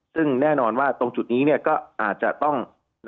ซึ่งแน่นอนว่าตรงจุดนี้ก็อาจจะต้อง